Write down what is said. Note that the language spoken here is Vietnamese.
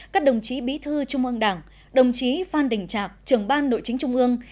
các đồng chí bí thư trung ương đảng đồng chí phan đình trạc trưởng ban nội chính trung ương